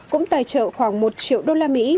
cũng tài trợ khoảng một triệu đô la mỹ